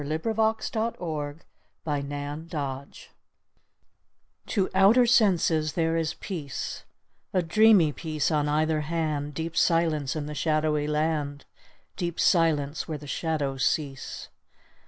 fi4S] II LA FUITE DE LA LUNE TO outer senses there is peace, A dreamy peace on either hand, Deep silence in the shadowy land, Deep silence where the shadows cease.